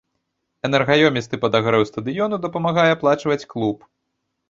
Энергаёмісты падагрэў стадыёну дапамагае аплачваць клуб.